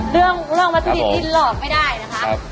เรื่องร่องมาทธิดิบอินหลอกไม่ได้นะคะ